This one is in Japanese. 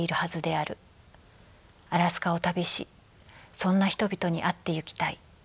アラスカを旅しそんな人々に会ってゆきたい。